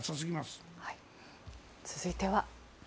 続いては。